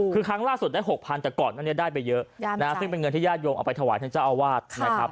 คือครั้งล่าสุดได้๖๐๐แต่ก่อนหน้านี้ได้ไปเยอะซึ่งเป็นเงินที่ญาติโยมเอาไปถวายท่านเจ้าอาวาสนะครับ